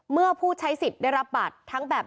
เมื่อผู้ใช้สิทธิ์ได้รับบัตรทั้งแบบ